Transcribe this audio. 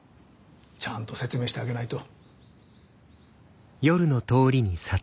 ちゃんと説明してあげないと。